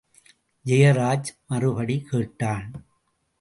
ஜெயராஜ் மறுபடி கேட்டான்.